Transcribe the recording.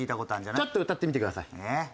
ちょっと歌ってみてください。